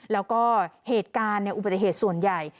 แล้วก็เหตุการณ์อุบัติเหตุส่วนใหญ่